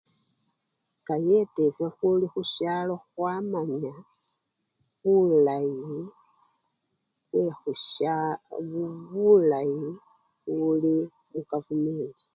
Kayeta efwe khuli khusyalo khwamanya bulayi bwekhusya! bulayi buli mukavumenti.